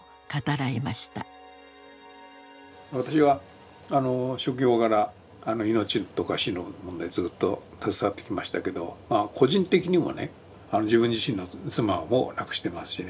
私は職業柄命とか死の問題にずっと携わってきましたけど個人的にもね自分自身の妻を亡くしてますしね。